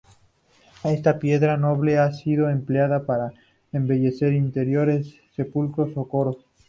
Esta piedra noble ha sido empleada par embellecer interiores, sepulcros o coros.